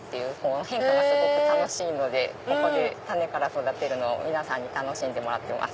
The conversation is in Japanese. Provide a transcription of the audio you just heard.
変化がすごく楽しいのでここで種から育てるの皆さんに楽しんでもらってます。